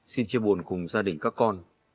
xin chia buồn cùng gia đình các con